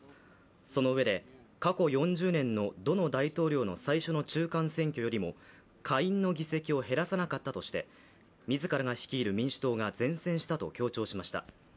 そのうえで、過去４０年のどの大統領の最初の中間選挙よりも下院の議席を減らさなかったとして自らが率いる民主党が善戦したと強調しました。